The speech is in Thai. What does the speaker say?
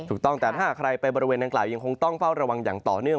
ถูกต้องแต่ถ้าหากใครไปบริเวณนางกล่ายังคงต้องเฝ้าระวังอย่างต่อเนื่อง